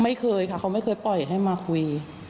ไม่เคยค่ะเขาไม่เคยปล่อยให้มาคุย